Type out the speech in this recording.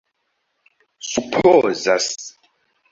supozas